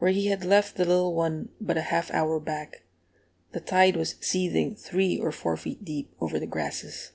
Where he had left the little one but a half hour back, the tide was seething three or four feet deep over the grasses.